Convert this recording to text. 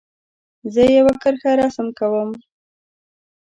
زه یو کرښه رسم کوم.